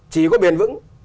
chỉ có biển vững